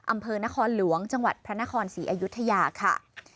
อำเภอนครหลวงจังหวัดพระนครศรีอยุธยาค่ะ